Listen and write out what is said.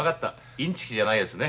インチキじゃないやつね。